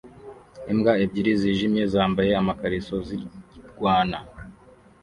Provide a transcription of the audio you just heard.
Imbwa ebyiri zijimye zambaye amakariso zirwana